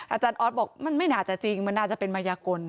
อาจารย์ออสบอกมันไม่น่าจะจริงมันน่าจะเป็นมายากล